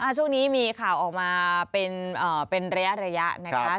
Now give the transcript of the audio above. ช่วงนี้มีข่าวออกมาเป็นระยะนะคะ